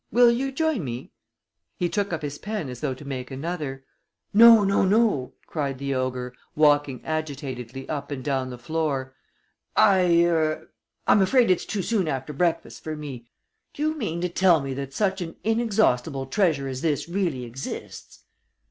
Will you join me?" He took up his pen as though to make another. "No, no, no!" cried the ogre, walking agitatedly up and down the floor. "I er I'm afraid it's too soon after breakfast for me. Do you mean to tell me that such an inexhaustible treasure as this really exists?"